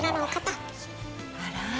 あら！